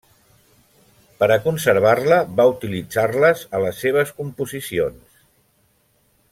Per a conservar-la, va utilitzar-les a les seves composicions.